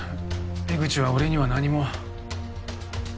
江口は俺には何も。